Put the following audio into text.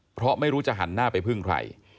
เพราะไม่รู้จะหันหน้าไปพึ่งใคร